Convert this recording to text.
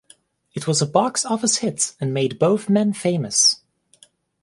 It was a box office hit and made both men famous.